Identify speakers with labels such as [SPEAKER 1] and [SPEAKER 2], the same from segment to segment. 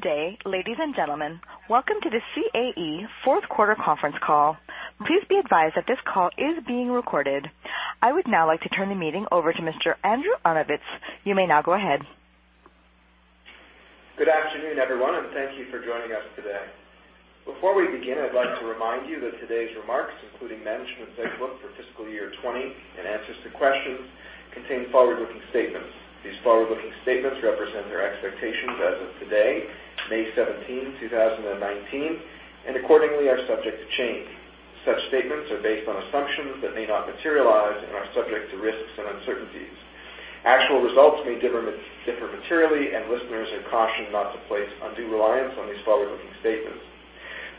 [SPEAKER 1] Good day, ladies and gentlemen. Welcome to the CAE fourth quarter conference call. Please be advised that this call is being recorded. I would now like to turn the meeting over to Mr. Andrew Arnovitz. You may now go ahead.
[SPEAKER 2] Good afternoon, everyone, and thank you for joining us today. Before we begin, I'd like to remind you that today's remarks, including management's outlook for fiscal year 2020 and answers to questions, contain forward-looking statements. These forward-looking statements represent their expectations as of today, May 17, 2019, and accordingly are subject to change. Such statements are based on assumptions that may not materialize and are subject to risks and uncertainties. Actual results may differ materially, and listeners are cautioned not to place undue reliance on these forward-looking statements.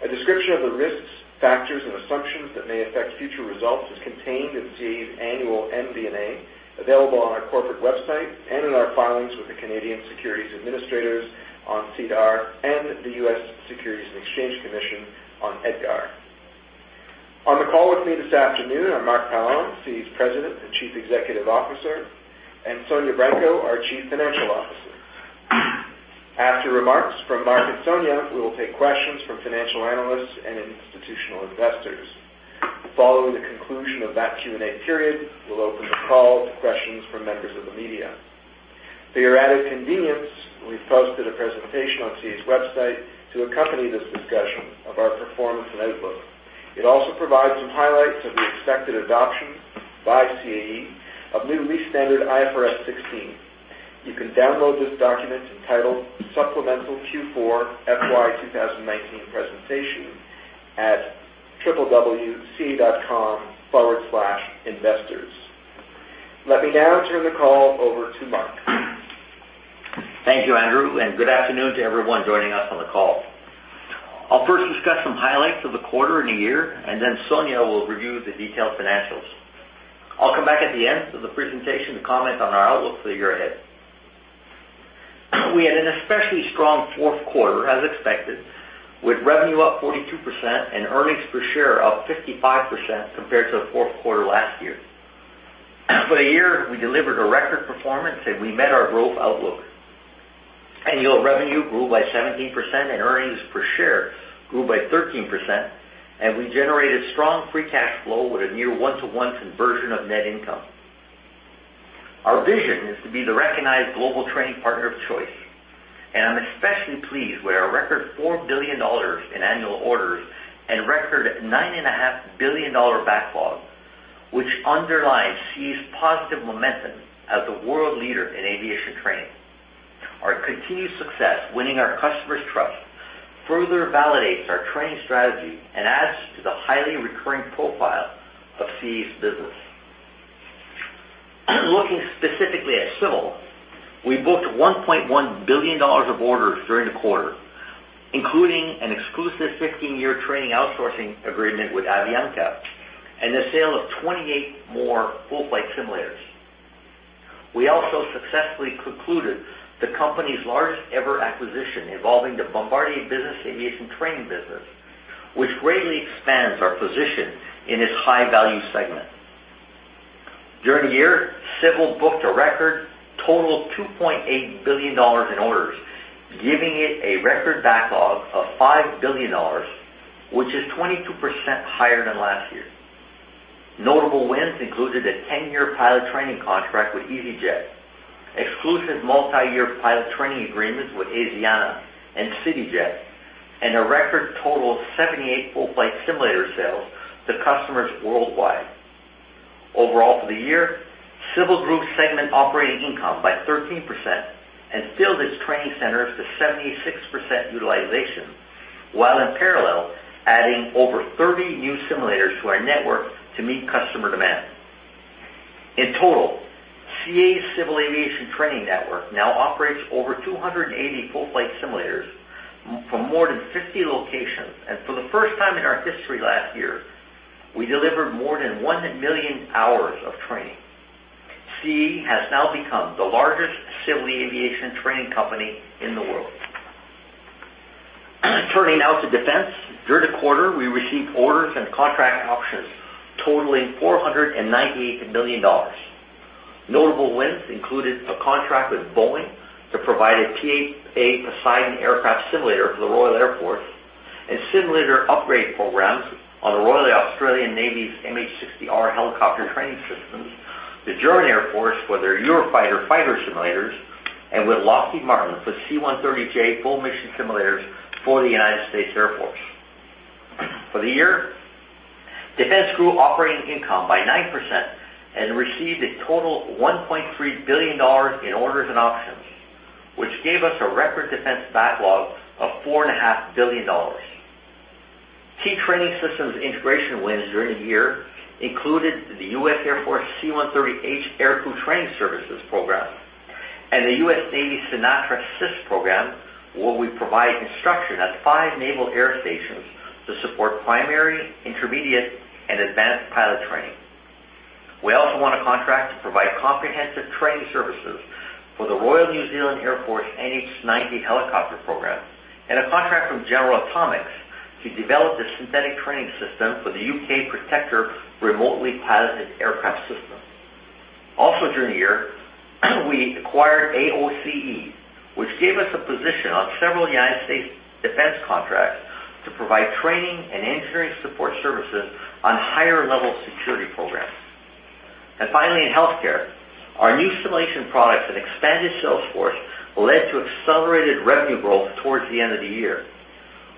[SPEAKER 2] A description of the risks, factors, and assumptions that may affect future results is contained in CAE's annual MD&A, available on our corporate website and in our filings with the Canadian Securities Administrators on SEDAR and the U.S. Securities and Exchange Commission on EDGAR. On the call with me this afternoon are Marc Parent, CAE's President and Chief Executive Officer, and Sonya Branco, our Chief Financial Officer. After remarks from Marc and Sonya, we will take questions from financial analysts and institutional investors. Following the conclusion of that Q&A period, we'll open the call to questions from members of the media. For your added convenience, we've posted a presentation on CAE's website to accompany this discussion of our performance and outlook. It also provides some highlights of the expected adoption by CAE of new restandard IFRS 16. You can download this document, entitled Supplemental Q4 FY 2019 Presentation, at www.cae.com/investors. Let me now turn the call over to Marc.
[SPEAKER 3] Thank you, Andrew, and good afternoon to everyone joining us on the call. I'll first discuss some highlights of the quarter and the year, and then Sonya will review the detailed financials. I'll come back at the end of the presentation to comment on our outlook for the year ahead. We had an especially strong fourth quarter, as expected, with revenue up 42% and earnings per share up 55% compared to the fourth quarter last year. For the year, we delivered a record performance, and we met our growth outlook. Annual revenue grew by 17%, and earnings per share grew by 13%, and we generated strong free cash flow with a near one-to-one conversion of net income. Our vision is to be the recognized global training partner of choice. I'm especially pleased with our record 4 billion dollars in annual orders and record 9.5 billion dollar backlog, which underlines CAE's positive momentum as the world leader in aviation training. Our continued success winning our customers' trust further validates our training strategy and adds to the highly recurring profile of CAE's business. Looking specifically at civil, we booked 1.1 billion dollars of orders during the quarter, including an exclusive 15-year training outsourcing agreement with Avianca and the sale of 28 more full-flight simulators. We also successfully concluded the company's largest ever acquisition involving the Bombardier Business Aviation Training business, which greatly expands our position in this high-value segment. During the year, civil booked a record total of 2.28 billion dollars in orders, giving it a record backlog of 5 billion dollars, which is 22% higher than last year. Notable wins included a 10-year pilot training contract with easyJet, exclusive multi-year pilot training agreements with Asiana and CityJet, a record total of 78 full-flight simulator sales to customers worldwide. Overall, for the year, civil group segment operating income by 13% and filled its training centers to 76% utilization, while in parallel adding over 30 new simulators to our network to meet customer demand. In total, CAE's civil aviation training network now operates over 280 full-flight simulators from more than 50 locations. For the first time in our history last year, we delivered more than one million hours of training. CAE has now become the largest civil aviation training company in the world. Turning now to defense. During the quarter, we received orders and contract options totaling 498 million dollars. Notable wins included a contract with Boeing to provide a P-8A Poseidon aircraft simulator for the Royal Air Force and simulator upgrade programs on the Royal Australian Navy's MH-60R helicopter training systems, the German Air Force for their Eurofighter fighter simulators, with Lockheed Martin for C-130J full-mission simulators for the United States Air Force. For the year, defense grew operating income by 9% and received a total 1.3 billion dollars in orders and options, which gave us a record defense backlog of 4.5 billion dollars. Key training systems integration wins during the year included the U.S. Air Force C-130H aircrew training services program and the U.S. Navy CNATRA Sys program, where we provide instruction at five naval air stations to support primary, intermediate, and advanced pilot training. We also won a contract to provide comprehensive training services for the Royal New Zealand Air Force NH90 helicopter program and a contract from General Atomics to develop a synthetic training system for the U.K. Protector remotely piloted aircraft system. Also during the year, we acquired AOCE, which gave us a position on several U.S. defense contracts to provide training and engineering support services on higher-level security programs. Finally, in healthcare, our new simulation products and expanded sales force led to accelerated revenue growth towards the end of the year.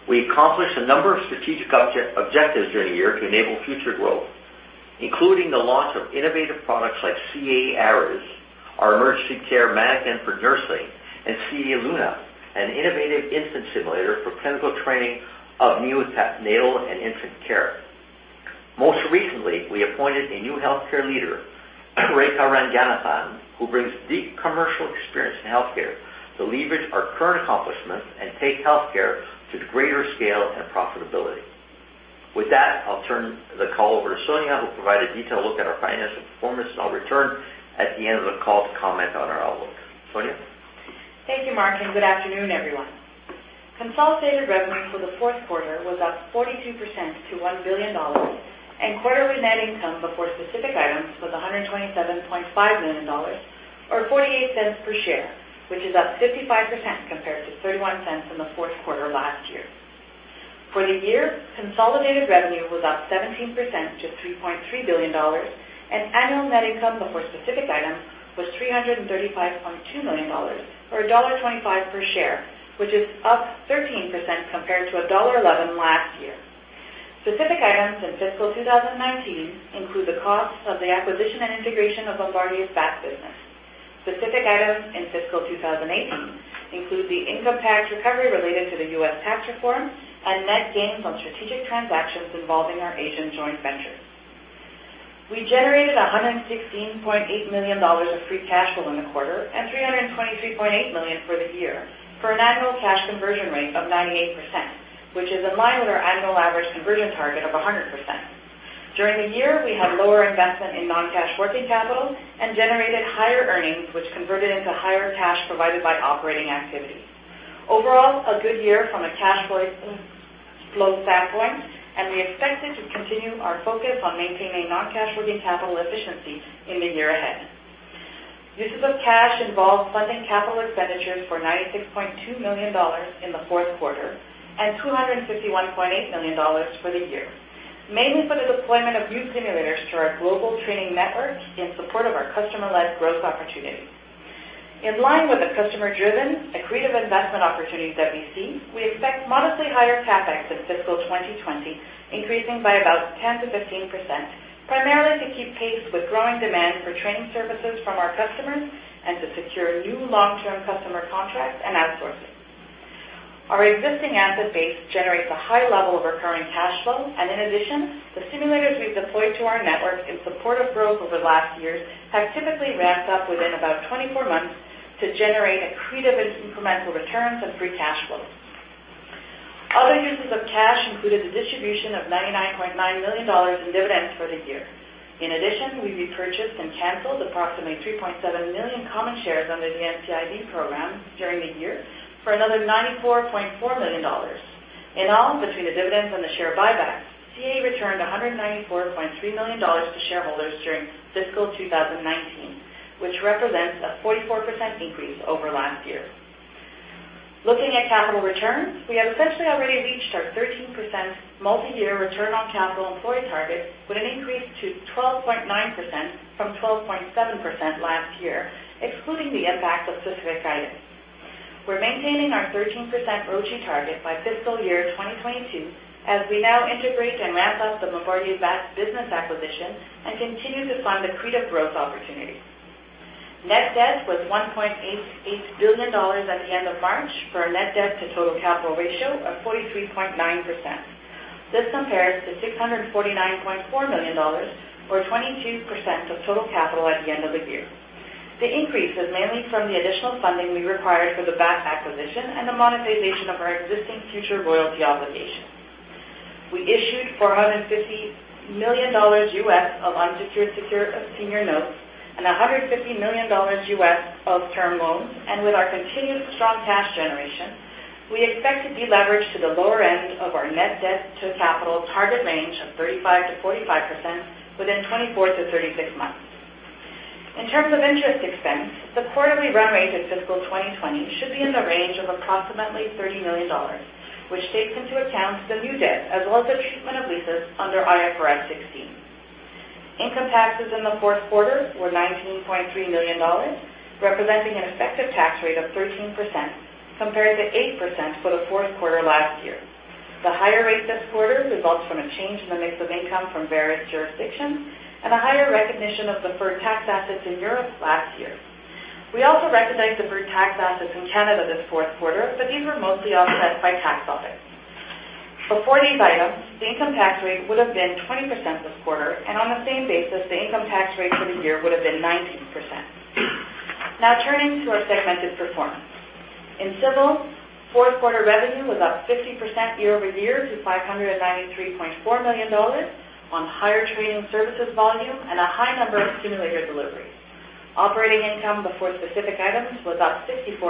[SPEAKER 3] We accomplished a number of strategic objectives during the year to enable future growth, including the launch of innovative products like CAE Ares, our emergency care manikin for nursing, and CAE Luna, an innovative infant simulator for clinical training of neonatal and infant care. Most recently, we appointed a new healthcare leader, Rekha Ranganathan, who brings deep commercial experience in healthcare to leverage our current accomplishments and take healthcare to greater scale and profitability. With that, I'll turn the call over to Sonya, who'll provide a detailed look at our financial performance, and I'll return at the end of the call to comment on our outlook. Sonya?
[SPEAKER 4] Thank you, Marc. Good afternoon, everyone. Consolidated revenue for the fourth quarter was up 42% to 1 billion dollars. Quarterly net income before specific items was 127.5 million dollars, or 0.48 per share, which is up 55% compared to 0.31 in the fourth quarter of last year. For the year, consolidated revenue was up 17% to 3.3 billion dollars. Annual net income before specific items was 335.2 million dollars, or dollar 1.25 per share, which is up 13% compared to dollar 1.11 last year. Specific items in fiscal 2019 include the cost of the acquisition and integration of Bombardier's BAT business. Specific items in fiscal 2018 include the income tax recovery related to the U.S. tax reform and net gains on strategic transactions involving our Asian joint venture. We generated 116.8 million dollars of free cash flow in the quarter. 323.8 million for the year for an annual cash conversion rate of 98%, which is in line with our annual average conversion target of 100%. During the year, we had lower investment in non-cash working capital and generated higher earnings, which converted into higher cash provided by operating activities. Overall, a good year from a cash flow standpoint. We expected to continue our focus on maintaining non-cash working capital efficiency in the year ahead. Uses of cash involve funding capital expenditures for 96.2 million dollars in the fourth quarter and 251.8 million dollars for the year, mainly for the deployment of new simulators to our global training network in support of our customer-led growth opportunities. In line with the customer-driven accretive investment opportunities that we see, we expect modestly higher CapEx in fiscal 2020, increasing by about 10%-15%, primarily to keep pace with growing demand for training services from our customers and to secure new long-term customer contracts and outsourcing. Our existing asset base generates a high level of recurring cash flow. In addition, the simulators we've deployed to our network in support of growth over the last years have typically ramped up within about 24 months to generate accretive and incremental returns and free cash flows. Other uses of cash included the distribution of 99.9 million dollars in dividends for the year. In addition, we repurchased and canceled approximately 3.7 million common shares under the NCIB program during the year for another 94.4 million dollars. In all, between the dividends and the share buybacks, CAE returned 194.3 million dollars to shareholders during fiscal 2019, which represents a 44% increase over last year. Looking at capital returns, we have essentially already reached our 13% multi-year return on capital employed target with an increase to 12.9% from 12.7% last year, excluding the impact of specific items. We're maintaining our 13% ROCE target by fiscal year 2022 as we now integrate and ramp up the Bombardier BAT business acquisition and continue to find accretive growth opportunities. Net debt was 1.88 billion dollars at the end of March for a net debt to total capital ratio of 43.9%. This compares to 649.4 million dollars or 22% of total capital at the end of the year. The increase is mainly from the additional funding we required for the BAT acquisition and the monetization of our existing future royalty obligations. We issued $450 million of unsecured senior notes and $150 million of term loans. With our continued strong cash generation, we expect to deleverage to the lower end of our net debt to capital target range of 35%-45% within 24 to 36 months. In terms of interest expense, the quarterly run rate in fiscal 2020 should be in the range of approximately 30 million dollars, which takes into account the new debt as well as the treatment of leases under IFRS 16. Income taxes in the fourth quarter were 19.3 million dollars, representing an effective tax rate of 13%, compared to 8% for the fourth quarter last year. The higher rate this quarter results from a change in the mix of income from various jurisdictions and a higher recognition of deferred tax assets in Europe last year. We also recognized deferred tax assets in Canada this fourth quarter, but these were mostly offset by tax profits. Before these items, the income tax rate would have been 20% this quarter, and on the same basis, the income tax rate for the year would have been 19%. Turning to our segmented performance. In Civil, fourth quarter revenue was up 50% year-over-year to 593.4 million dollars on higher training services volume and a high number of simulator deliveries. Operating income before specific items was up 54%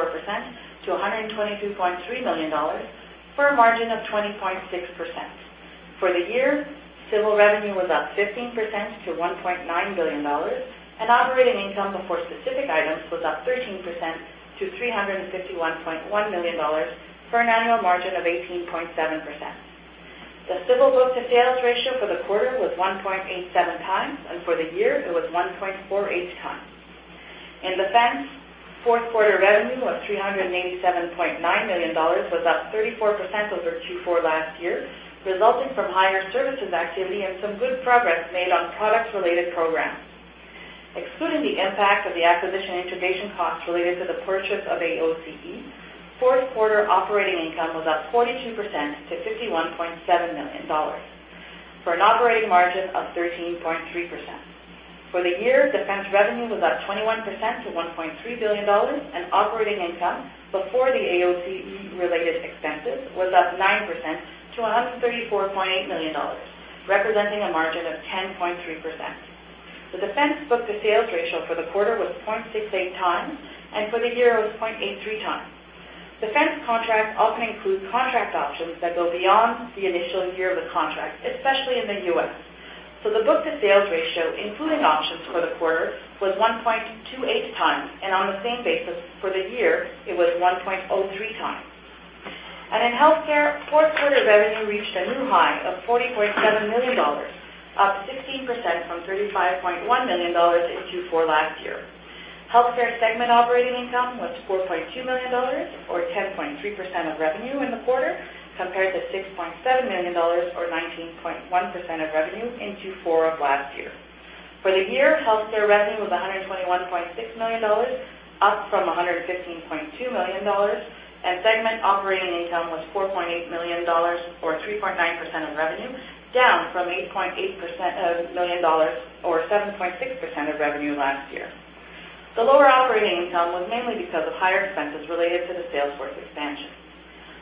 [SPEAKER 4] to 122.3 million dollars for a margin of 20.6%. For the year, Civil revenue was up 15% to 1.9 billion dollars, and operating income before specific items was up 13% to 351.1 million dollars for an annual margin of 18.7%. The Civil book-to-sales ratio for the quarter was 1.87 times, and for the year it was 1.48 times. In Defense, fourth quarter revenue of 387.9 million dollars was up 34% over Q4 last year, resulting from higher services activity and some good progress made on products-related programs. Excluding the impact of the acquisition integration costs related to the purchase of AOCE, fourth quarter operating income was up 42% to 51.7 million dollars for an operating margin of 13.3%. For the year, Defense revenue was up 21% to 1.3 billion dollars, and operating income before the AOCE-related expenses was up 9% to 134.8 million dollars, representing a margin of 10.3%. The Defense book-to-sales ratio for the quarter was 0.68 times, and for the year it was 0.83 times. Defense contracts often include contract options that go beyond the initial year of the contract, especially in the U.S. The book-to-sales ratio, including options for the quarter, was 1.28 times, and on the same basis for the year, it was 1.03 times. In healthcare, fourth quarter revenue reached a new high of 40.7 million dollars, up 16% from 35.1 million dollars in Q4 last year. Healthcare segment operating income was 4.2 million dollars, or 10.3% of revenue in the quarter, compared to 6.7 million dollars, or 19.1% of revenue in Q4 of last year. For the year, healthcare revenue was 121.6 million dollars, up from 115.2 million dollars, and segment operating income was 4.8 million dollars, or 3.9% of revenue, down from 8.8 million dollars or 7.6% of revenue last year. The lower operating income was mainly because of higher expenses related to the sales force expansion.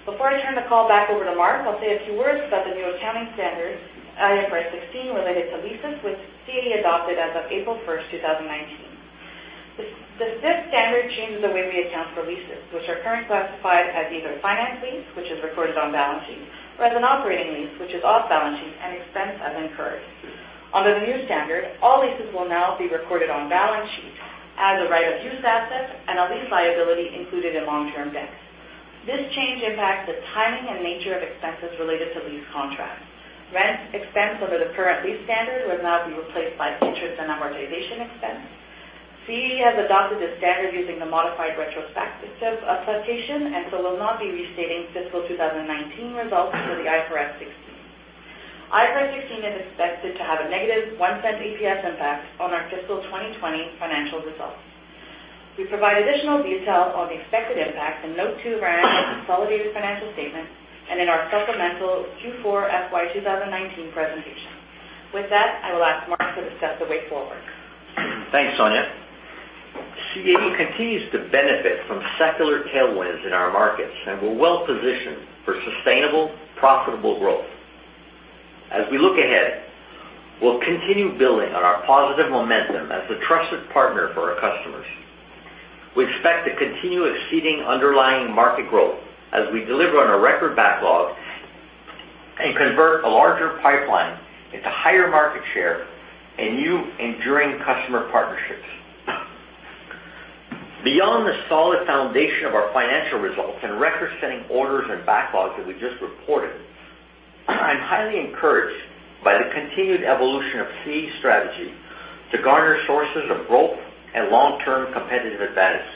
[SPEAKER 4] Before I turn the call back over to Marc, I'll say a few words about the new accounting standard, IFRS 16, related to leases, which CAE adopted as of April 1, 2019. This standard changes the way we account for leases, which are currently classified as either finance lease, which is recorded on balance sheet, or as an operating lease, which is off balance sheet and expensed as incurred. Under the new standard, all leases will now be recorded on balance sheet as a right-of-use asset and a lease liability included in long-term debt. This change impacts the timing and nature of expenses related to lease contracts. Rent expense under the current lease standard will now be replaced by interest and amortization expense. CAE has adopted the standard using the modified retrospective application, and so will not be restating fiscal 2019 results for the IFRS 16. IFRS 16 is expected to have a negative 0.01 EPS impact on our fiscal 2020 financial results. We provide additional detail on the expected impact in Note 2 of our consolidated financial statement and in our supplemental Q4 FY 2019 presentation. With that, I will ask Marc to discuss the way forward.
[SPEAKER 3] Thanks, Sonya. CAE continues to benefit from secular tailwinds in our markets, and we're well positioned for sustainable, profitable growth. As we look ahead, we'll continue building on our positive momentum as a trusted partner for our customers. We expect to continue exceeding underlying market growth as we deliver on a record backlog and convert a larger pipeline into higher market share and new enduring customer partnerships. Beyond the solid foundation of our financial results and record-setting orders and backlogs that we just reported, I'm highly encouraged by the continued evolution of CAE's strategy to garner sources of growth and long-term competitive advantage.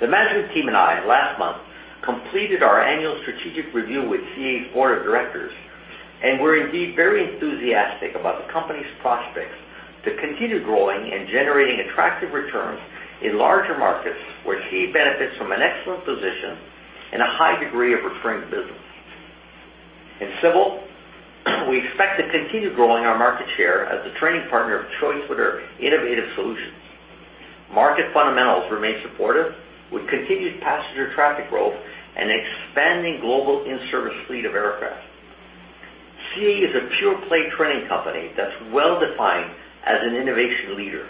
[SPEAKER 3] The management team and I last month completed our annual strategic review with CAE's board of directors, we're indeed very enthusiastic about the company's prospects to continue growing and generating attractive returns in larger markets where CAE benefits from an excellent position and a high degree of recurring business. In civil, we expect to continue growing our market share as a training partner of choice with our innovative solutions. Market fundamentals remain supportive, with continued passenger traffic growth and expanding global in-service fleet of aircraft. CAE is a pure-play training company that's well-defined as an innovation leader.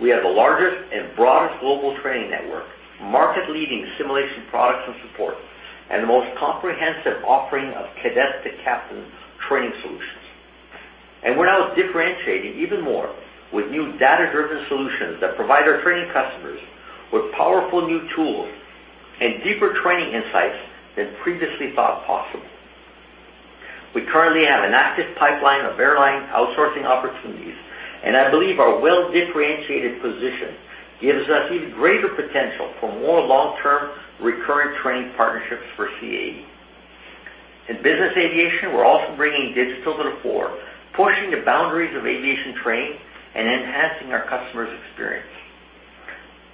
[SPEAKER 3] We have the largest and broadest global training network, market-leading simulation products and support, and the most comprehensive offering of cadet-to-captain training solutions. We're now differentiating even more with new data-driven solutions that provide our training customers with powerful new tools and deeper training insights than previously thought possible. We currently have an active pipeline of airline outsourcing opportunities, I believe our well-differentiated position gives us even greater potential for more long-term recurring training partnerships for CAE. In business aviation, we're also bringing digital to the fore, pushing the boundaries of aviation training and enhancing our customer's experience.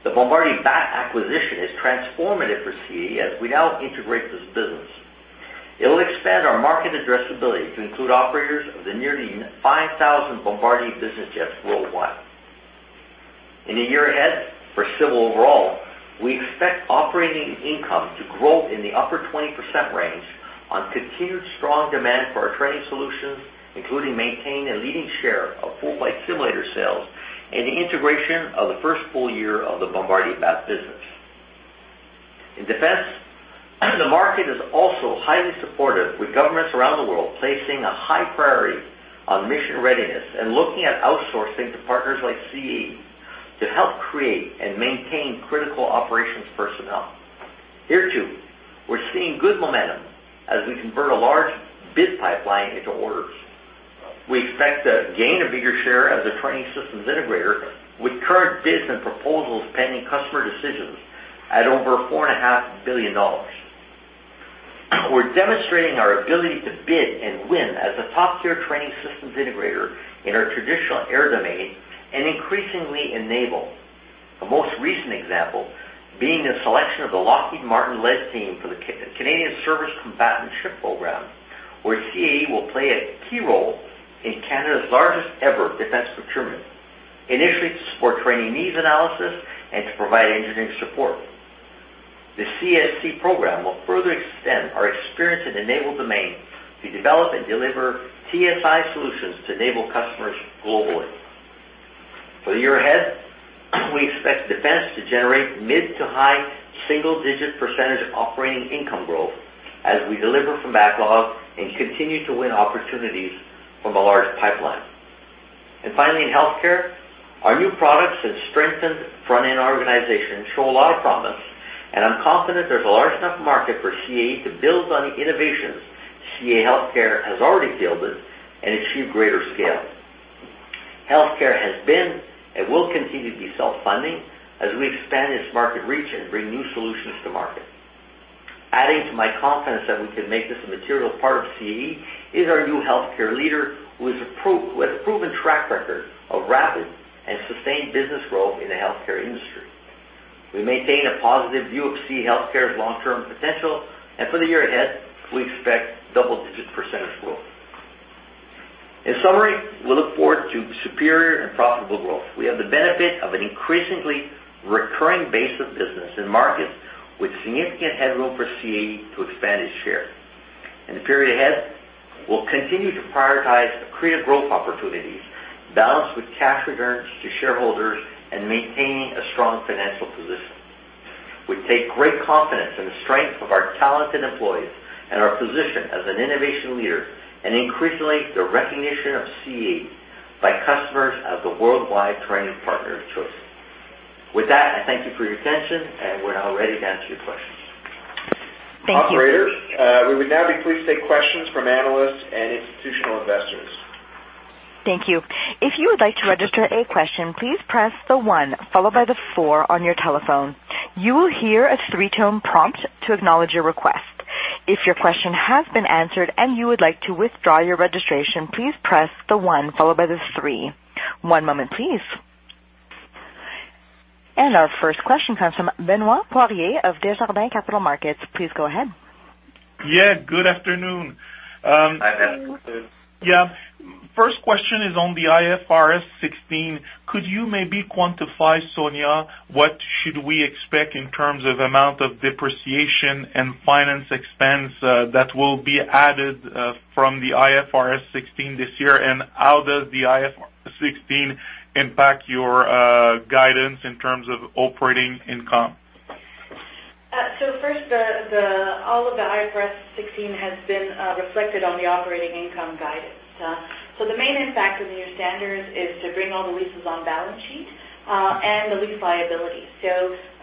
[SPEAKER 3] The Bombardier BAT acquisition is transformative for CAE as we now integrate this business. It will expand our market addressability to include operators of the nearly 5,000 Bombardier business jets worldwide. In the year ahead, for civil overall, we expect operating income to grow in the upper 20% range on continued strong demand for our training solutions, including maintaining a leading share of full-flight simulator sales and the integration of the first full year of the Bombardier BAT business. In Defense, the market is also highly supportive with governments around the world placing a high priority on mission readiness and looking at outsourcing to partners like CAE to help create and maintain critical operations personnel. Here, too, we're seeing good momentum as we convert a large bid pipeline into orders. We expect to gain a bigger share as a training systems integrator with current bids and proposals pending customer decisions at over 4.5 billion dollars. We're demonstrating our ability to bid and win as a top-tier training systems integrator in our traditional air domain and increasingly enable. The most recent example being the selection of the Lockheed Martin-led team for the Canadian Surface Combatant Ship Program, where CAE will play a key role in Canada's largest ever Defense procurement, initially to support training needs analysis and to provide engineering support. The CSC program will further extend our experience in naval domain to develop and deliver TSI solutions to enable customers globally. For the year ahead, we expect Defense to generate mid to high single-digit percentage operating income growth as we deliver from backlog and continue to win opportunities from a large pipeline. Finally, in Healthcare, our new products have strengthened front-end organization, show a lot of promise, and I'm confident there's a large enough market for CAE to build on the innovations CAE Healthcare has already fielded and achieve greater scale. Healthcare has been and will continue to be self-funding as we expand its market reach and bring new solutions to market. Adding to my confidence that we can make this a material part of CAE is our new healthcare leader, who has a proven track record of rapid and sustained business growth in the healthcare industry. We maintain a positive view of CAE Healthcare's long-term potential, and for the year ahead, we expect double-digit % growth. In summary, we look forward to superior and profitable growth. We have the benefit of an increasingly recurring base of business in markets with significant headroom for CAE to expand its share. In the period ahead, we'll continue to prioritize accretive growth opportunities balanced with cash returns to shareholders and maintaining a strong financial position. We take great confidence in the strength of our talented employees and our position as an innovation leader, increasingly, the recognition of CAE by customers as the worldwide training partner of choice. With that, I thank you for your attention, we're now ready to answer your questions.
[SPEAKER 1] Thank you.
[SPEAKER 3] Operator, we would now be pleased to take questions from analysts and institutional investors.
[SPEAKER 1] Thank you. If you would like to register a question, please press the one followed by the four on your telephone. You will hear a three-tone prompt to acknowledge your request. If your question has been answered and you would like to withdraw your registration, please press the one followed by the three. One moment, please. Our first question comes from Benoit Poirier of Desjardins Capital Markets. Please go ahead.
[SPEAKER 5] Yeah, good afternoon.
[SPEAKER 3] Hi, Benoit.
[SPEAKER 5] Yeah. First question is on the IFRS 16. Could you maybe quantify, Sonya, what should we expect in terms of amount of depreciation and finance expense that will be added from the IFRS 16 this year? How does the IFRS 16 impact your guidance in terms of operating income?
[SPEAKER 4] First, all of the IFRS 16 has been reflected on the operating income guidance. The main impact of the new standards is to bring all the leases on balance sheet, and the lease liability.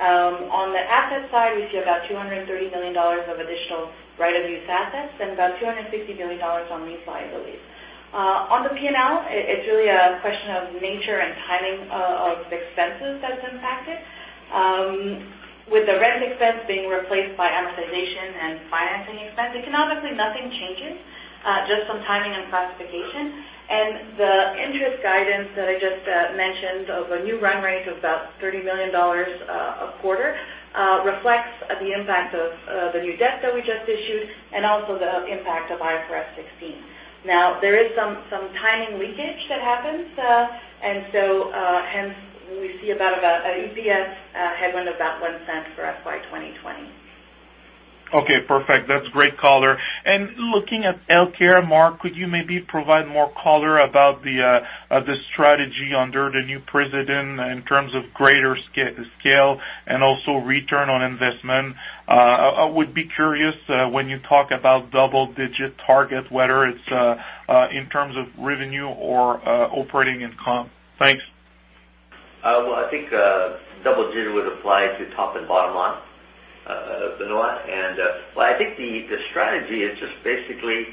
[SPEAKER 4] On the asset side, we see about 230 million dollars of additional right-of-use assets and about 250 million dollars on lease liabilities. On the P&L, it's really a question of nature and timing of expenses that's impacted. With the rent expense being replaced by amortization and financing expense, economically, nothing changes, just some timing and classification. The interest guidance that I just mentioned of a new run rate of about 30 million dollars a quarter reflects the impact of the new debt that we just issued and also the impact of IFRS 16. There is some timing leakage that happens, hence we see about an EPS headwind of about 0.01 for FY 2020.
[SPEAKER 5] Perfect. That's great color. Looking at healthcare, Marc, could you maybe provide more color about the strategy under the new President in terms of greater scale and also return on investment? I would be curious when you talk about double-digit target, whether it's in terms of revenue or operating income. Thanks.
[SPEAKER 3] I think double digit would apply to top and bottom line, Benoit. I think the strategy is just basically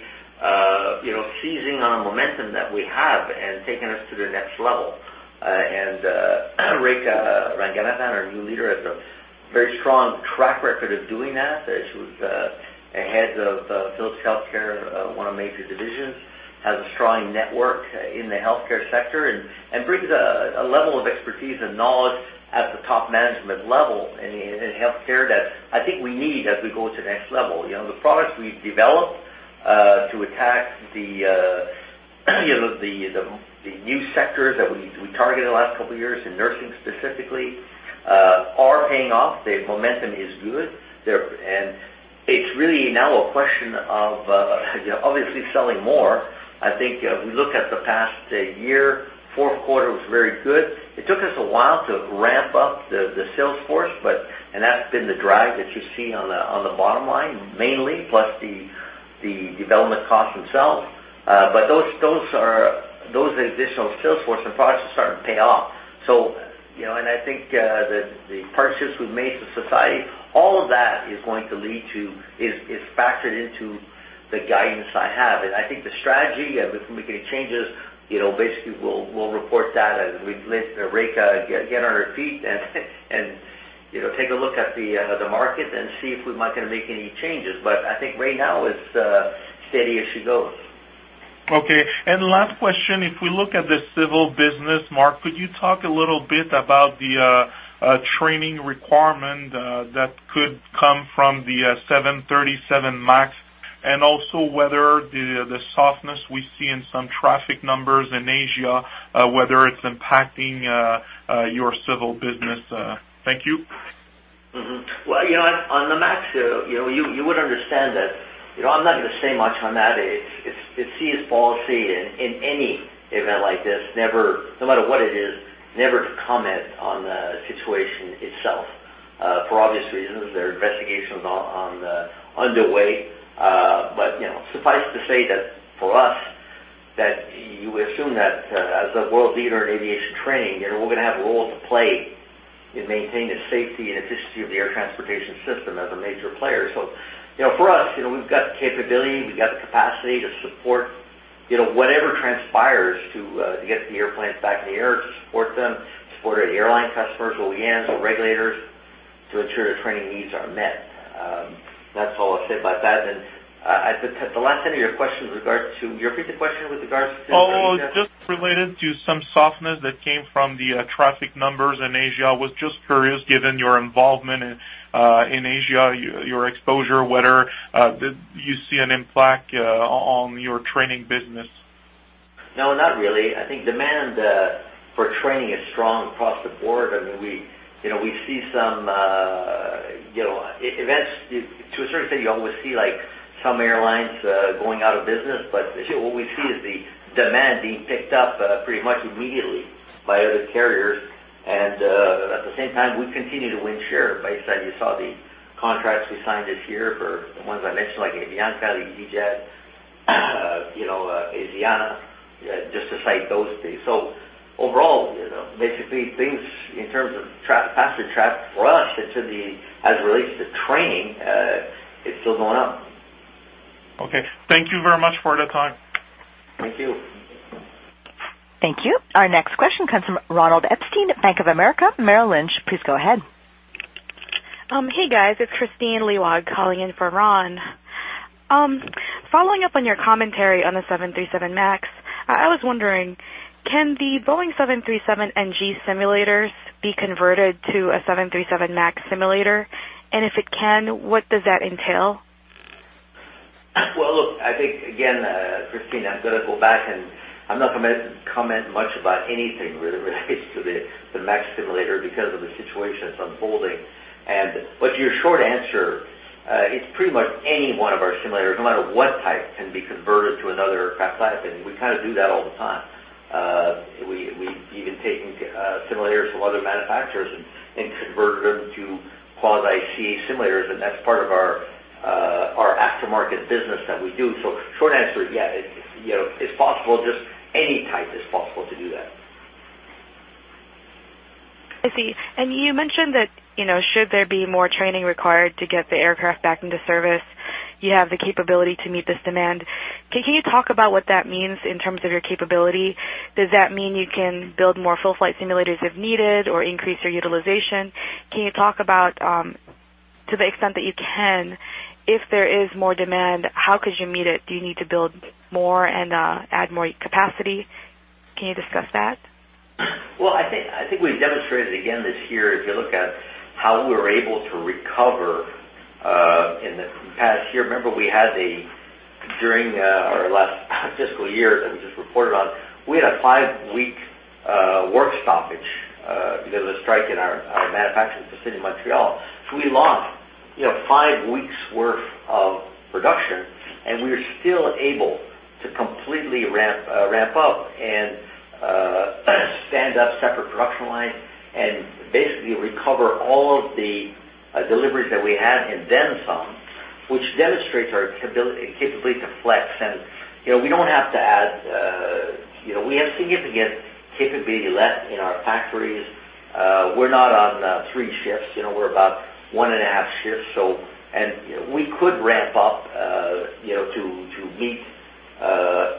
[SPEAKER 3] seizing on the momentum that we have and taking us to the next level. Rekha Ranganathan, our new leader, has a very strong track record of doing that. She was the head of Philips Healthcare, one of the major divisions, has a strong network in the healthcare sector, and brings a level of expertise and knowledge at the top management level in healthcare that I think we need as we go to the next level. The products we've developed to attack the new sectors that we targeted the last couple of years in nursing specifically are paying off. The momentum is good. It's really now a question of obviously selling more. I think if we look at the past year, fourth quarter was very good. It took us a while to ramp up the sales force. That's been the drive that you see on the bottom line mainly, plus the development costs themselves. Those additional sales force and products are starting to pay off. I think that the partnerships we've made with society, all of that is factored into the guidance I have. I think the strategy of making changes, basically we'll report that as we get on our feet and take a look at the market and see if we might make any changes. I think right now it's steady as she goes.
[SPEAKER 5] Okay. Last question, if we look at the civil business, Marc, could you talk a little bit about the training requirement that could come from the 737 MAX, and also whether the softness we see in some traffic numbers in Asia, whether it's impacting your civil business. Thank you.
[SPEAKER 3] On the MAX, you would understand that I'm not going to say much on that. It's CAE's policy in any event like this, no matter what it is, never to comment on the situation itself, for obvious reasons. There are investigations underway. Suffice to say that for us, that you would assume that as a world leader in aviation training, we're going to have a role to play in maintaining the safety and efficiency of the air transportation system as a major player. For us, we've got the capability, we've got the capacity to support whatever transpires to get the airplanes back in the air, to support them, support our airline customers, OEMs, our regulators, to ensure their training needs are met. That's all I'll say about that. Your previous question with regards to Asia?
[SPEAKER 5] Just related to some softness that came from the traffic numbers in Asia. I was just curious, given your involvement in Asia, your exposure, whether you see an impact on your training business.
[SPEAKER 3] No, not really. I think demand for training is strong across the board. To a certain extent, you always see some airlines going out of business. What we see is the demand being picked up pretty much immediately by other carriers. At the same time, we continue to win share. Like I said, you saw the contracts we signed this year for the ones I mentioned, like Avianca, easyJet, Asiana, just to cite those three. Overall, basically things in terms of passenger traffic for us as it relates to training, it's still going up.
[SPEAKER 5] Okay. Thank you very much for the time.
[SPEAKER 3] Thank you.
[SPEAKER 1] Thank you. Our next question comes from Ronald Epstein, Bank of America, Merrill Lynch. Please go ahead.
[SPEAKER 6] Hey, guys. It's Kristine Liwag calling in for Ron. Following up on your commentary on the 737 MAX, I was wondering, can the Boeing 737 NG simulators be converted to a 737 MAX simulator? If it can, what does that entail?
[SPEAKER 3] Well, look, I think, again, Kristine, I'm going to go back and I'm not going to comment much about anything related to the MAX simulator because of the situation that's unfolding. Your short answer, it's pretty much any one of our simulators, no matter what type, can be converted to another aircraft type. We do that all the time. We've even taken simulators from other manufacturers and converted them to quasi CAE simulators, and that's part of our aftermarket business that we do. Short answer, yes. It's possible, just any type is possible to do that.
[SPEAKER 6] I see. You mentioned that should there be more training required to get the aircraft back into service, you have the capability to meet this demand. Can you talk about what that means in terms of your capability? Does that mean you can build more full-flight simulators if needed or increase your utilization? Can you talk about, to the extent that you can, if there is more demand, how could you meet it? Do you need to build more and add more capacity? Can you discuss that?
[SPEAKER 3] Well, I think we've demonstrated again this year, if you look at how we were able to recover in the past year. Remember, during our last fiscal year that we just reported on, we had a five-week work stoppage because of the strike in our manufacturing facility in Montreal. We lost five weeks worth of production, we were still able to completely ramp up and stand up separate production lines and basically recover all of the deliveries that we had and then some, which demonstrates our capability to flex. We have significant capability left in our factories. We're not on three shifts. We're about one and a half shifts. We could ramp up to meet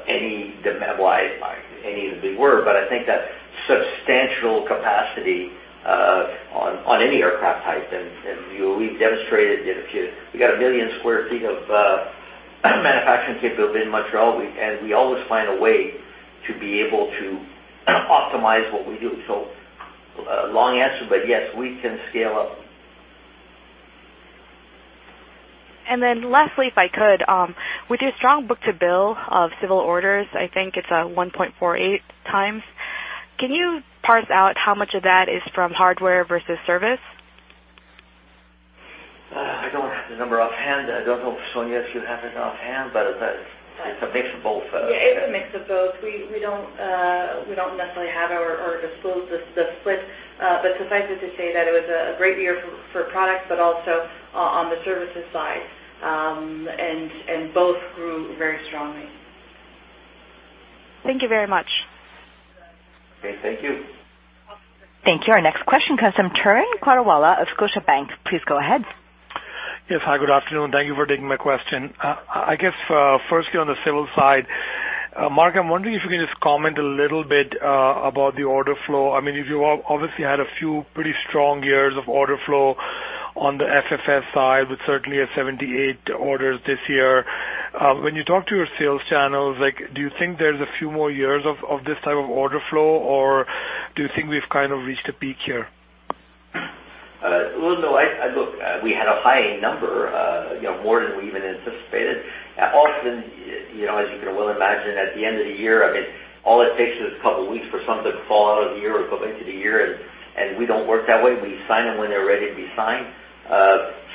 [SPEAKER 3] any demand, like any of the big orders. I think that substantial capacity on any aircraft type, and we've demonstrated that we've got 1 million square feet of manufacturing capability in Montreal, and we always find a way to be able to optimize what we do. Long answer, but yes, we can scale up.
[SPEAKER 6] Lastly, if I could, with your strong book-to-bill of civil orders, I think it's 1.48 times. Can you parse out how much of that is from hardware versus service?
[SPEAKER 3] I don't have the number offhand. I don't know if Sonya, if you have it offhand. It's a mix of both.
[SPEAKER 4] Yeah. It's a mix of both. We don't necessarily have or disclose the split. Suffice it to say that it was a great year for products, but also on the services side, and both grew very strongly.
[SPEAKER 6] Thank you very much.
[SPEAKER 3] Okay. Thank you.
[SPEAKER 1] Thank you. Our next question comes from Tim James of Scotiabank. Please go ahead.
[SPEAKER 7] Yes. Hi, good afternoon. Thank you for taking my question. I guess, firstly on the civil side, Marc, I'm wondering if you can just comment a little bit about the order flow. You obviously had a few pretty strong years of order flow on the FFS side, with certainly at 78 orders this year. When you talk to your sales channels, do you think there's a few more years of this type of order flow, or do you think we've kind of reached a peak here?
[SPEAKER 3] Well, no. Look, we had a high number, more than we even anticipated. Often, as you can well imagine, at the end of the year, all it takes is a couple of weeks for some to fall out of the year or go into the year, and we don't work that way. We sign them when they're ready to be signed.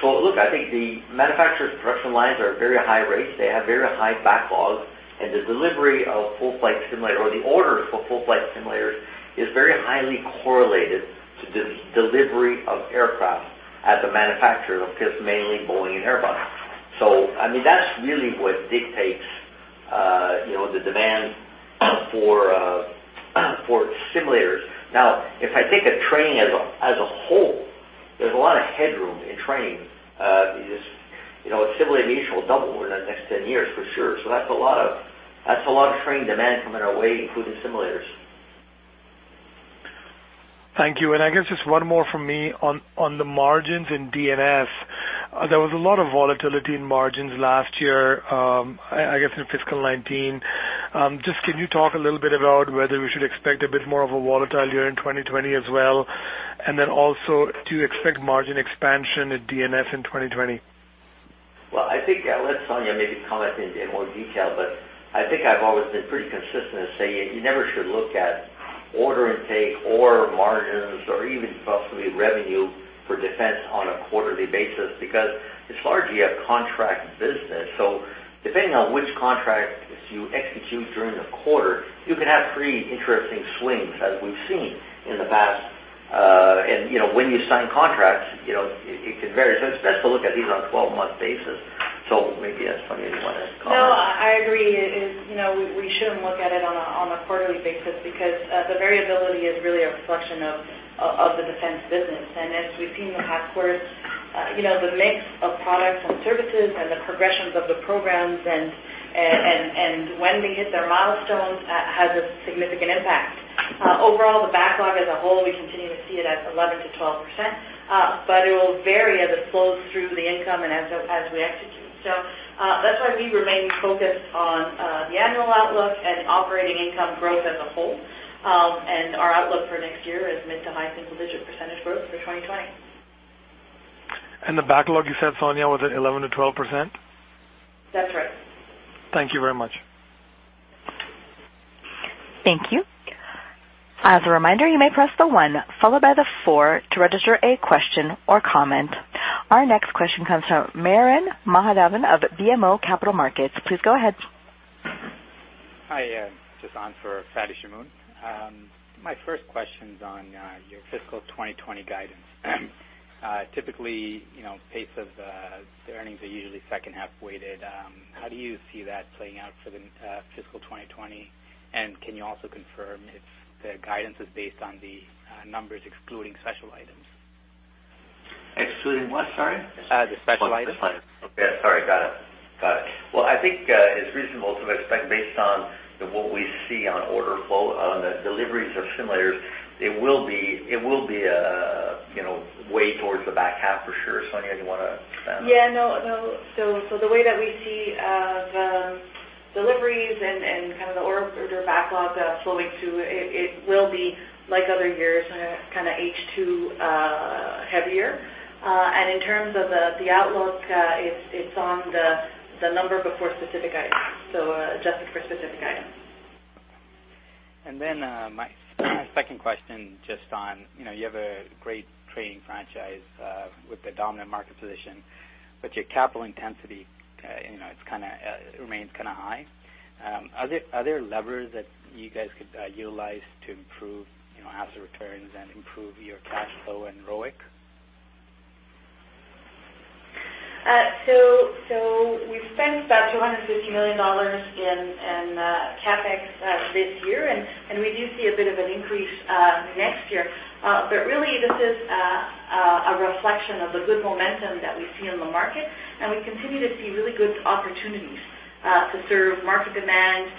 [SPEAKER 3] Look, I think the manufacturer's production lines are at very high rates. They have very high backlogs, and the delivery of full-flight simulator or the orders for full-flight simulators is very highly correlated to the delivery of aircraft as a manufacturer, because mainly Boeing and Airbus. That's really what dictates the demand for simulators. Now, if I take a training as a whole, there's a lot of headroom in training. It's simply initial double within the next 10 years, for sure. That's a lot of training demand coming our way, including simulators.
[SPEAKER 7] Thank you. I guess just one more from me on the margins in D&S. There was a lot of volatility in margins last year, I guess in fiscal 2019. Just can you talk a little bit about whether we should expect a bit more of a volatile year in 2020 as well? Also, do you expect margin expansion at D&S in 2020?
[SPEAKER 3] Well, I think I'll let Sonya maybe comment in more detail, but I think I've always been pretty consistent in saying you never should look at order intake or margins or even possibly revenue for Defence on a quarterly basis, because it's largely a contract business. Depending on which contract you execute during the quarter, you can have pretty interesting swings, as we've seen in the past. When you sign contracts, it can vary. It's best to look at these on a 12-month basis. Maybe, yes, Sonya, you want to comment.
[SPEAKER 4] No, I agree. We shouldn't look at it on a quarterly basis because the variability is really a reflection of the defense business. As we've seen in the past quarters, the mix of products and services and the progressions of the programs and when they hit their milestones has a significant impact. Overall, the backlog as a whole, we continue to see it at 11%-12%, but it will vary as it flows through the income and as we execute. That's why we remain focused on the annual outlook and operating income growth as a whole. Our outlook for next year is mid to high single-digit % growth for 2020.
[SPEAKER 7] The backlog, you said, Sonya, was at 11%-12%?
[SPEAKER 4] That's right.
[SPEAKER 7] Thank you very much.
[SPEAKER 1] Thank you. As a reminder, you may press the one followed by the four to register a question or comment. Our next question comes from Fadi Chamoun of BMO Capital Markets. Please go ahead.
[SPEAKER 8] Hi, just on for Fadi Chamoun. My first question's on your fiscal 2020 guidance. Typically, pace of the earnings are usually second-half weighted. How do you see that playing out for the fiscal 2020, and can you also confirm if the guidance is based on the numbers excluding special items?
[SPEAKER 3] Excluding what, sorry?
[SPEAKER 8] The special items.
[SPEAKER 3] Yes, sorry. Got it. Well, I think it's reasonable to expect based on what we see on order flow on the deliveries of simulators, it will be way towards the back half for sure. Sonya, you want to expand?
[SPEAKER 4] Yeah, no. The way that we see the deliveries and kind of the order backlog flowing through, it will be like other years, kind of H2 heavier. In terms of the outlook, it's on the number before specific items, adjusted for specific items.
[SPEAKER 8] My second question just on, you have a great training franchise with the dominant market position, but your capital intensity remains kind of high. Are there levers that you guys could utilize to improve asset returns and improve your cash flow and ROIC?
[SPEAKER 4] We've spent about 250 million dollars in CapEx this year, and we do see a bit of an increase next year. Really, this is A reflection of the good momentum that we see in the market. We continue to see really good opportunities to serve market demand,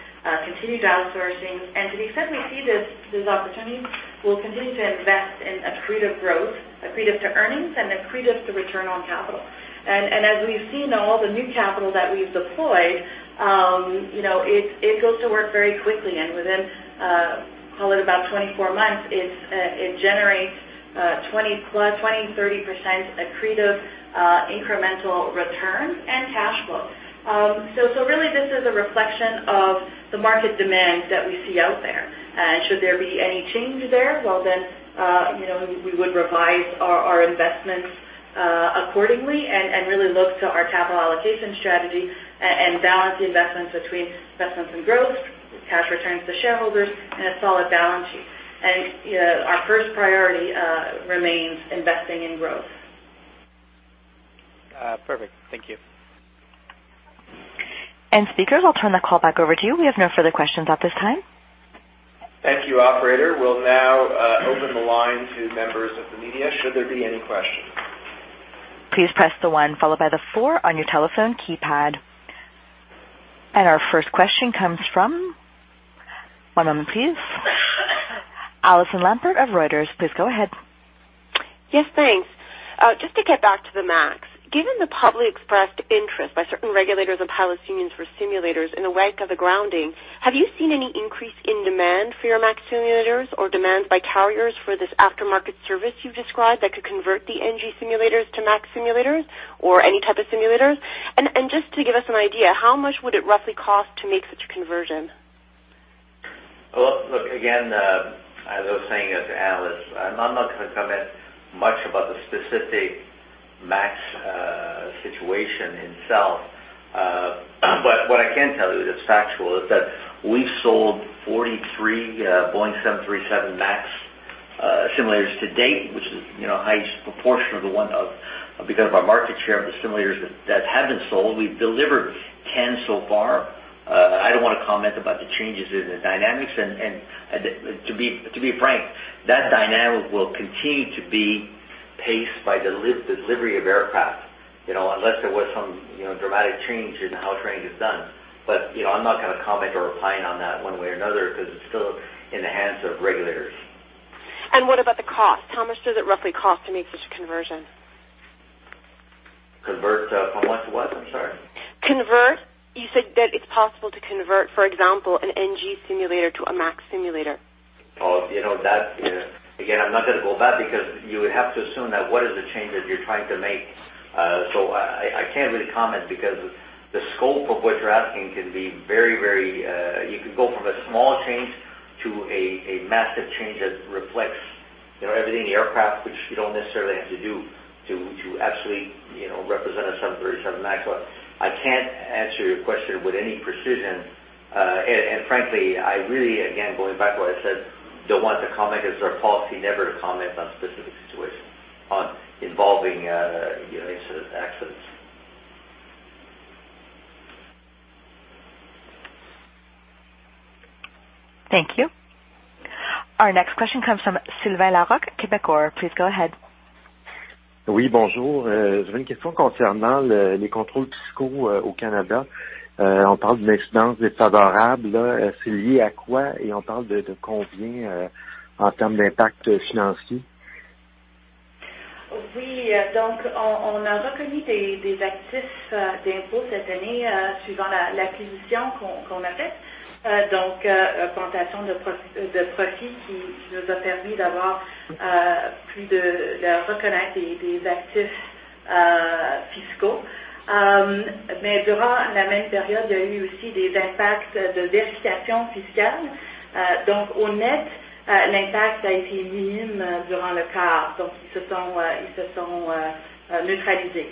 [SPEAKER 4] continued outsourcing. To the extent we see these opportunities, we'll continue to invest in accretive growth, accretive to earnings, and accretive to return on capital. As we've seen all the new capital that we've deployed, it goes to work very quickly, and within call it about 24 months, it generates 20, 30% accretive incremental returns and cash flow. Really this is a reflection of the market demand that we see out there. Should there be any change there, well then, we would revise our investments accordingly and really look to our capital allocation strategy and balance the investments between investments and growth, cash returns to shareholders and a solid balance sheet. Our first priority remains investing in growth.
[SPEAKER 8] Perfect. Thank you.
[SPEAKER 1] Speakers, I'll turn the call back over to you. We have no further questions at this time.
[SPEAKER 3] Thank you, operator. We'll now open the line to members of the media, should there be any questions.
[SPEAKER 1] Please press the one followed by the four on your telephone keypad. Our first question comes from One moment please. Allison Lampert of Reuters. Please go ahead.
[SPEAKER 9] Yes, thanks. Just to get back to the MAX. Given the publicly expressed interest by certain regulators and pilot unions for simulators in the wake of the grounding, have you seen any increase in demand for your MAX simulators or demand by carriers for this aftermarket service you've described that could convert the NG simulators to MAX simulators or any type of simulators? Just to give us an idea, how much would it roughly cost to make such a conversion?
[SPEAKER 3] Look, again, as I was saying to the analysts, I'm not going to comment much about the specific MAX situation itself. What I can tell you that's factual is that we've sold 43 Boeing 737 MAX simulators to date, which is a high proportion of the because of our market share of the simulators that have been sold. We've delivered 10 so far. I don't want to comment about the changes in the dynamics. To be frank, that dynamic will continue to be paced by the delivery of aircraft, unless there was some dramatic change in how training is done. I'm not going to comment or opine on that one way or another because it's still in the hands of regulators.
[SPEAKER 9] What about the cost? How much does it roughly cost to make such a conversion?
[SPEAKER 3] Convert from what to what? I'm sorry.
[SPEAKER 9] Convert. You said that it's possible to convert, for example, an NG simulator to a MAX simulator.
[SPEAKER 3] Again, I'm not going to go with that because you would have to assume that what is the change that you're trying to make? I can't really comment because the scope of what you're asking can be very. You could go from a small change to a massive change that reflects everything in the aircraft, which you don't necessarily have to do to absolutely represent a 737 MAX. I can't answer your question with any precision. Frankly, I really, again, going back to what I said, don't want to comment because it's our policy never to comment on specific situations involving accidents.
[SPEAKER 1] Thank you. Our next question comes from Sylvain Larocque, Quebecor. Please go ahead.
[SPEAKER 10] Oui, bonjour. J'ai une question concernant les contrôles fiscaux au Canada. On parle d'une incidence défavorable. C'est lié à quoi, et on parle de combien en termes d'impact financier?
[SPEAKER 4] Oui. On a reconnu des actifs d'impôts cette année suivant l'acquisition qu'on a faite. Plantation de profits qui nous a permis de reconnaître des actifs fiscaux. Durant la même période, il y a eu aussi des impacts de vérification fiscale. Au net, l'impact a été minime durant le quart. Ils se sont neutralisés.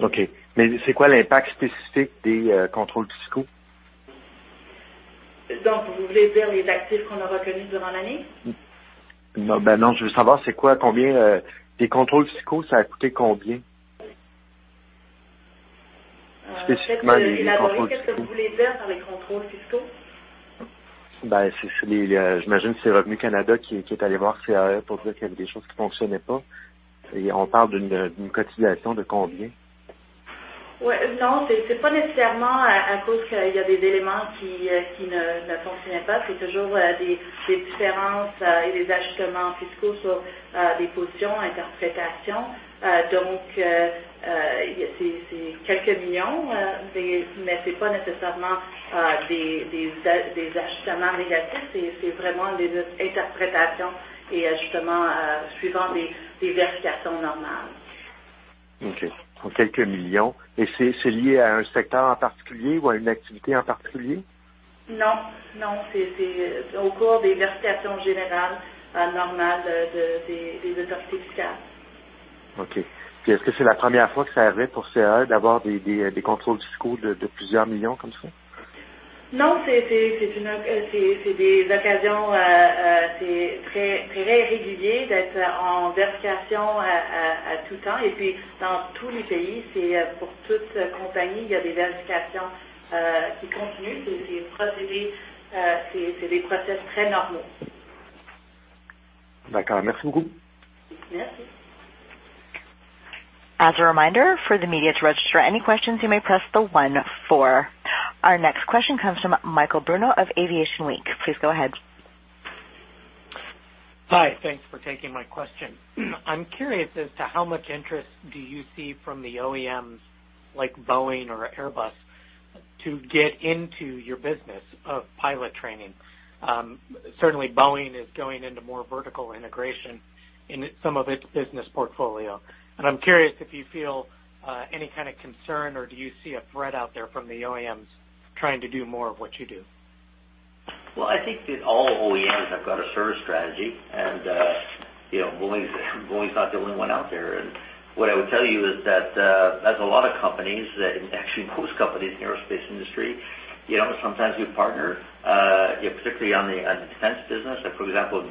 [SPEAKER 10] OK. C'est quoi l'impact spécifique des contrôles fiscaux?
[SPEAKER 4] Vous voulez dire les actifs qu'on a reconnus durant l'année?
[SPEAKER 10] Non, je veux savoir les contrôles fiscaux, ça a coûté combien? Spécifiquement les contrôles fiscaux.
[SPEAKER 4] Qu'est-ce que vous voulez dire par les contrôles fiscaux?
[SPEAKER 10] J'imagine que c'est Revenu Canada qui est allé voir CAE pour dire qu'il y avait des choses qui ne fonctionnaient pas. On parle d'une cotisation de combien?
[SPEAKER 4] Non, ce n'est pas nécessairement à cause qu'il y a des éléments qui ne fonctionnaient pas. C'est toujours des différences et des ajustements fiscaux sur des positions, interprétations. C'est CAD quelques millions, mais ce n'est pas nécessairement des ajustements négatifs, c'est vraiment des interprétations et ajustements suivant des vérifications normales.
[SPEAKER 10] OK. Donc quelques millions. C'est lié à un secteur en particulier ou à une activité en particulier?
[SPEAKER 4] Non. C'est au cours des vérifications générales normales des autorités fiscales.
[SPEAKER 10] OK. Est-ce que c'est la première fois que CAE d'avoir des contrôles fiscaux de plusieurs millions comme ça?
[SPEAKER 4] Non, c'est très irrégulier d'être en vérification.
[SPEAKER 1] As a reminder for the media to register any questions, you may press the 1 4. Our next question comes from Michael Bruno of Aviation Week. Please go ahead.
[SPEAKER 11] Hi. Thanks for taking my question. I'm curious as to how much interest do you see from the OEMs like Boeing or Airbus to get into your business of pilot training? Certainly, Boeing is going into more vertical integration in some of its business portfolio, and I'm curious if you feel any kind of concern or do you see a threat out there from the OEMs trying to do more of what you do?
[SPEAKER 3] Well, I think that all OEMs have got a service strategy and Boeing's not the only one out there. What I would tell you is that as a lot of companies, actually most companies in the aerospace industry, sometimes we partner, particularly on the defense business. Like, for example,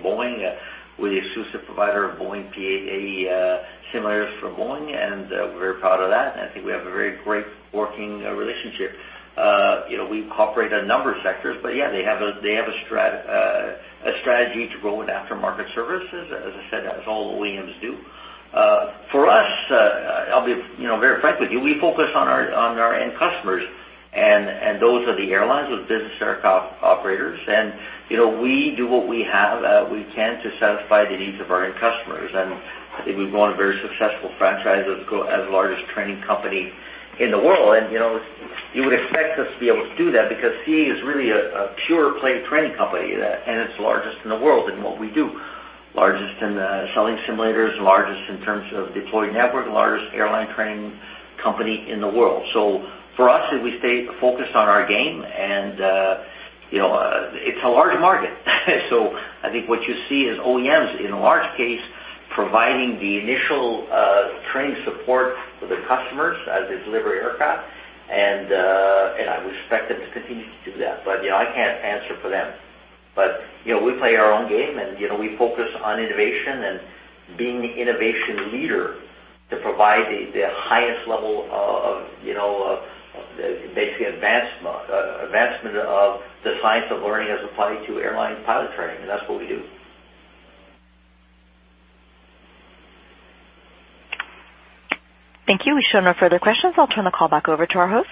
[SPEAKER 3] with Boeing, we're the exclusive provider of Boeing P-8A simulators for Boeing, and we're very proud of that, and I think we have a very great working relationship. We cooperate on a number of sectors. Yeah, they have a strategy to grow in aftermarket services, as I said, as all OEMs do. For us, I'll be very frank with you, we focus on our end customers, and those are the airlines with business aircraft operators. We do what we can to satisfy the needs of our end customers. I think we've grown a very successful franchise as the largest training company in the world. You would expect us to be able to do that because CAE is really a pure-play training company, and it's the largest in the world in what we do. Largest in selling simulators, largest in terms of deployed network, largest airline training company in the world. For us, we stay focused on our game, and it's a large market. I think what you see is OEMs, in large case, providing the initial training support for the customers as they deliver aircraft, and I would expect them to continue to do that. I can't answer for them. We play our own game, we focus on innovation and being the innovation leader to provide the highest level of basically advancement of the science of learning as applied to airline pilot training. That's what we do.
[SPEAKER 1] Thank you. We show no further questions. I'll turn the call back over to our host.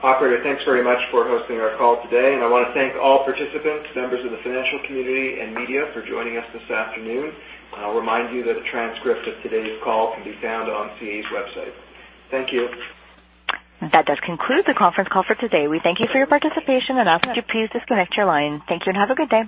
[SPEAKER 2] Operator, thanks very much for hosting our call today, and I want to thank all participants, members of the financial community and media for joining us this afternoon. I'll remind you that a transcript of today's call can be found on CAE's website. Thank you.
[SPEAKER 1] That does conclude the conference call for today. We thank you for your participation and ask that you please disconnect your line. Thank you, and have a good day.